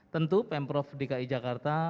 tentu pemprov dki jakarta